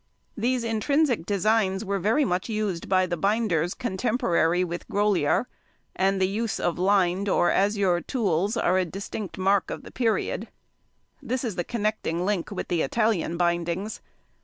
] These intrinsic designs were very much used by the |113| binders contemporary with Grolier, and the use of lined or azuré tools are a distinctive mark of the period. This is the connecting link with the Italian bindings.